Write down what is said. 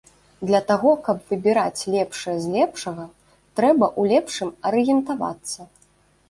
Для таго каб выбіраць лепшае з лепшага, трэба ў лепшым арыентавацца.